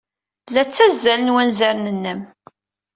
La ttazzalen wanzaren-nnem.